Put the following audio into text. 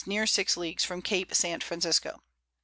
near 6 Leagues from Cape St. Francisco.